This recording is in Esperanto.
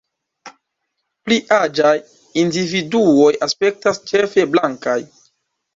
Pli aĝaj individuoj aspektas ĉefe blankaj.